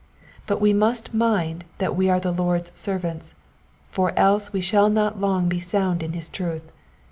But we must mind that we are the Lord's servants, for else we shall not long be sound in his truth.